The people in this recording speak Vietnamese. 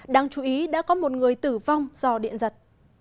đáng chú ý đã có một người tử vong do điện giật